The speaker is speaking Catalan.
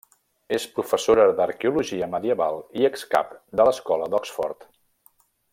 És professora d'arqueologia medieval i ex cap de l'Escola d'Oxford.